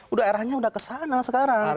udah eranya udah kesana sekarang